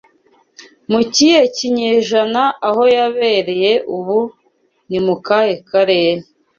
Mu kihe kinyejana Aho yabereye ubu ni mu kahe Karere